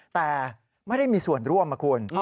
แต่ไม่ได้มีส่วนร่วมนะคุณ